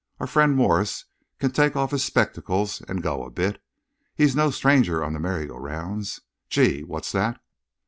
Our friend Morse can take off his spectacles and go a bit. He's no stranger on the merry go rounds.... Gee! What's that?"